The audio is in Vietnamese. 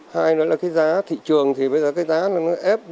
hai là giá thị trường thì bây giờ giá nó ép